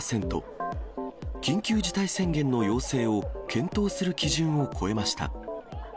緊急事態宣言の要請を検討する基準を超えました。